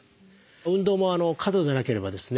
運動も過度でなければですね